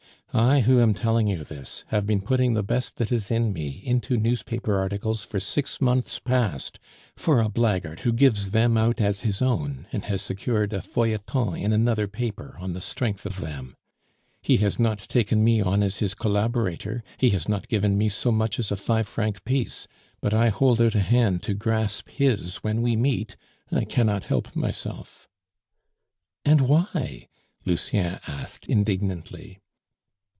I, who am telling you this, have been putting the best that is in me into newspaper articles for six months past for a blackguard who gives them out as his own and has secured a feuilleton in another paper on the strength of them. He has not taken me on as his collaborator, he has not give me so much as a five franc piece, but I hold out a hand to grasp his when we meet; I cannot help myself." "And why?" Lucien, asked, indignantly.